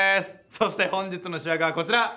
そして本日の主役はこちら！